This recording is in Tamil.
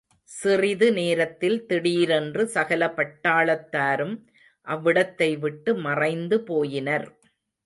சிறிது நேரத்தில் திடீரென்று சகல பட்டாளத்தாரும் அவ்விடத்தை விட்டு மறைந்து போயினர்.